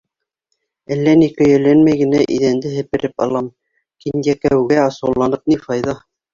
Әллә ни көйәләнмәй генә иҙәнде һепереп алам, кинйәкәүгә асыуланып ни файҙа?